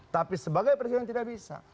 tapi sebagai presiden tidak bisa